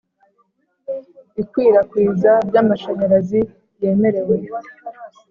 ikwirakwiza ry Amashanyarazi yemerewe